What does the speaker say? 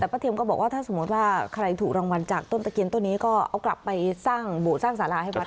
แต่ป้าเทียมก็บอกว่าถ้าสมมติว่าใครถูกรางวัลจากต้นตะเคียนต้นนี้ก็เอากลับไปสร้างโบสถสร้างสาราให้วัด